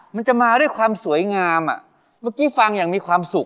มันจะมาด้วยความสวยงามอ่ะเมื่อกี้ฟังอย่างมีความสุข